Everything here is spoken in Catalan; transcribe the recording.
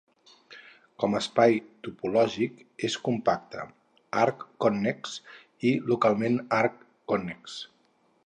Com a espai topològic, és compacte, arc-connex i localment arc-connex.